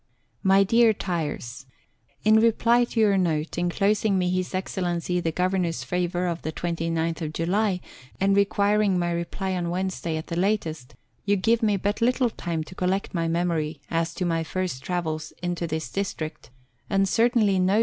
MY DEAR TYERS, In reply to your note, enclosing me His Excellency the Gover nor's favour of the 29th July, and requiring my reply on Wednes day at the latest, you give me but little time to collect my memory as to my first travels into this district, and certainly no 130 Letters from Victorian Pioneers.